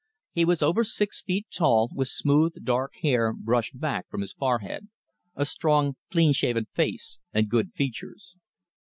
He was over six feet tall, with smooth, dark hair brushed back from his forehead, a strong, clean shaven face and good features.